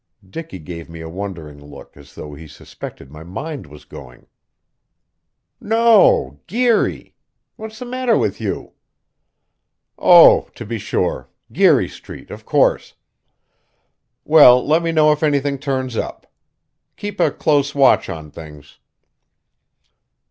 Dicky gave me a wondering look as though he suspected my mind was going. "No Geary. What's the matter with you?" "Oh, to be sure. Geary Street, of course. Well, let me know if anything turns up. Keep a close watch on things."